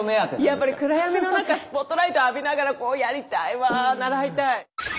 やっぱり暗闇の中スポットライトを浴びながらやりたいわ習いたい。